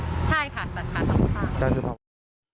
ใช่ตัดขาทั้งสองข้าง